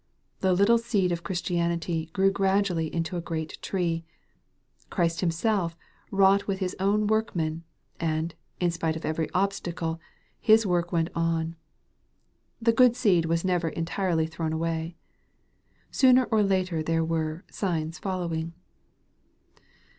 The little seed of Christianity grew gradually into a great tree. Christ Himself wrought with His own workmen, and, in spite of every obstacle, His work went on. The good seed was never entirely thrown away. Sooner or later there were " signs follow ing."